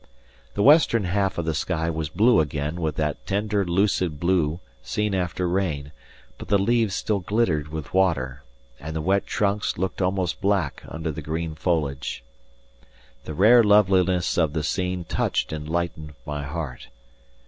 The western half of the sky was blue again with that tender lucid blue seen after rain, but the leaves still glittered with water, and the wet trunks looked almost black under the green foliage. The rare loveliness of the scene touched and lightened my heart.